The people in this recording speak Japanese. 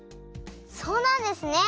そうなんですね！